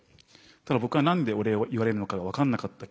ただ僕は何でお礼を言われるのかが分かんなかった。